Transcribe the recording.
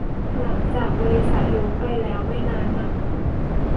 หลังจากบริษัทลุกไปแล้วไม่นานนัก